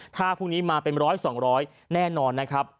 ถ้าพรุ่งนี้มาเป็น๑๐๐๒๐๐แน่นอนนะครับ